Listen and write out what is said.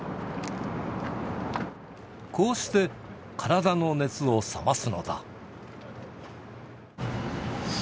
こうして体の熱を冷ますのだ。